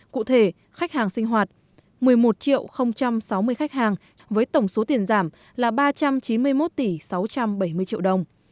cụ thể khách hàng sinh hoạt một mươi một sáu mươi khách hàng với tổng số tiền giảm là ba trăm chín mươi một tỷ sáu trăm bảy mươi triệu đồng